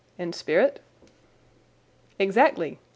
"In spirit?" "Exactly.